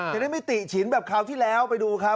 จะได้ไม่ติฉินแบบคราวที่แล้วไปดูครับ